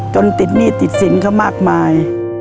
จนติดหนี้ติดสินเขามากมาย